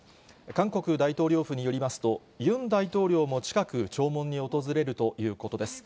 韓国大統領府によりますと、ユン大統領も近く、弔問に訪れるということです。